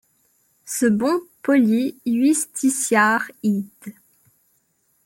Ce bon polit iusticiard id.